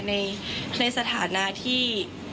ในสถานะที่